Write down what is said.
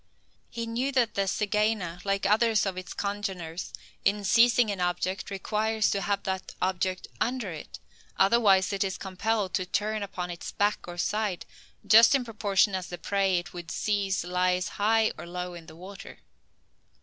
He knew that the zygaena, like others of its congeners, in seizing an object, requires to have that object under it; otherwise, it is compelled to turn upon its back or side, just in proportion as the prey it would seize lies high or low in the water.